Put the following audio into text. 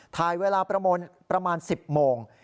ทายเวลาประมวลประมาณ๑๐โมง